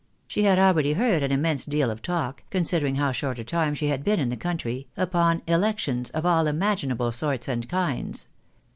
She had already heard an immense deal of talk (considering how short a time she had been in the country) upon elections of all imaginable sorts and kinds.